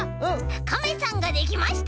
カメさんができました！